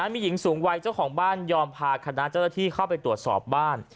มีหญิงสูงวัยเจ้าของบ้านยอมพาคณะเจ้าหน้าที่เข้าไปตรวจสอบบ้าน